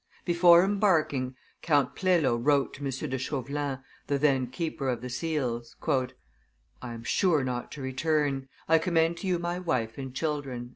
Before embarking, Count Plelo wrote to M. de Chauvelin, the then keeper of the seals, "I am sure not to return; I commend to you my wife and children."